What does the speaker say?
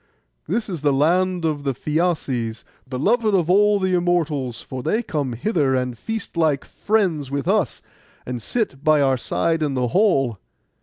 'This is the land of the Phæaces, beloved by all the Immortals; for they come hither and feast like friends with us, and sit by our side in the hall.